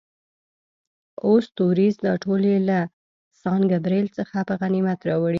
اووه ستوریز، دا ټول یې له سان ګبرېل څخه په غنیمت راوړي.